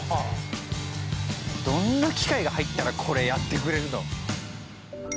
どんな機械が入ったらこれやってくれるの？